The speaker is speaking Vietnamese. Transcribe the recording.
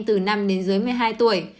từ năm đến dưới một mươi hai tuổi